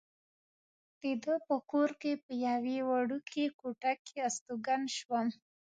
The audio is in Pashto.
د ده په کور کې په یوې وړوکې کوټه کې استوګن شوم.